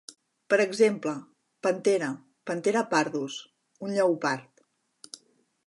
Per exemple, "Panthera Panthera pardus", un lleopard.